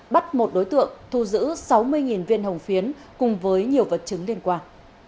bắt một đối tượng thu giữ sáu mươi viên hồng phiến cùng với nhiều vật chứng liên quan